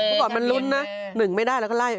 เมื่อก่อนมันลุ้นนะ๑ไม่ได้แล้วก็ไล่